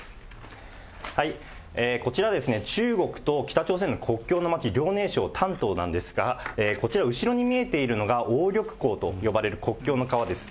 こちら、中国と北朝鮮の国境の街、遼寧省丹東なんですが、こちら、後ろに見えているのがおうりょくこうと呼ばれる国境の川です。